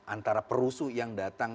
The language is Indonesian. antara perusuh yang datang